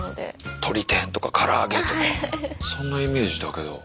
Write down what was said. とり天とか唐揚げとかそんなイメージだけど。